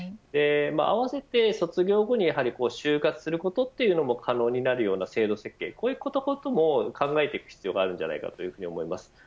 合わせて卒業後に就活することも可能になるような制度設計、こういったことも考えていく必要があると思います。